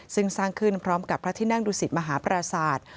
ซึ่งสร้างขึ้นพร้อมกับพระที่นั่งดูสิตมหาปราศาสตร์